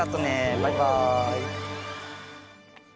バイバイ。